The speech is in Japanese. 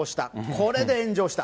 これで炎上した。